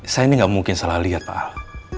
saya ini gak mungkin salah lihat pak al